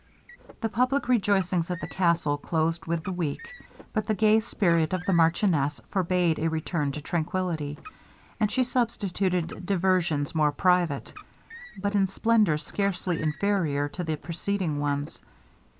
The public rejoicings at the castle closed with the week; but the gay spirit of the marchioness forbade a return to tranquillity; and she substituted diversions more private, but in splendour scarcely inferior to the preceding ones.